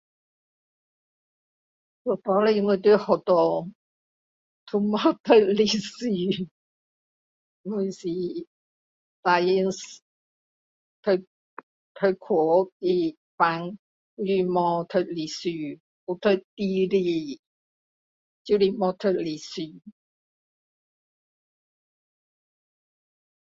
那时我在学校都没读历史我是 sains 读读科学的班没有读历史有读地理就是没读历史